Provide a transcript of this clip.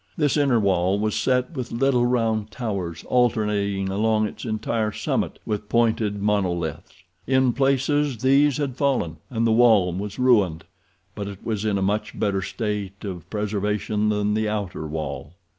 This inner wall was set with little round towers alternating along its entire summit with pointed monoliths. In places these had fallen, and the wall was ruined, but it was in a much better state of preservation than the outer wall.